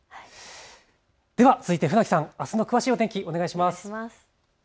では続いて船木さん、あすの詳しい天気、お願いします。